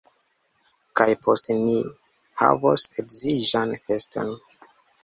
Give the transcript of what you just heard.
Kaj poste ni havos edziĝan feston!